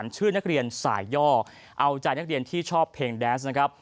ชื่อนักเรียนสายย่อเอาใจนักเรียนที่ชอบเพลงแดนส์นะครับ